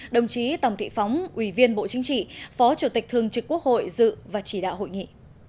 đồng chí tòng thị phóng ubtc phó chủ tịch thường trực quốc hội dự và chỉ đạo hội nghị